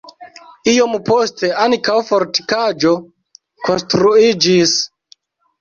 Iom poste ankaŭ fortikaĵo konstruiĝis.